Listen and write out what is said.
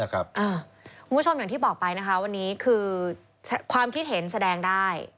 คุณผู้ชมอย่างที่บอกไปนะคะวันนี้คือความคิดเห็นแสดงได้